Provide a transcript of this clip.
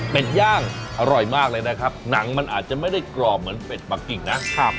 เป็นย่างอร่อยมากเลยนะครับหนังมันอาจจะไม่ได้กรอบเหมือนเป็ดปะกิ่งนะ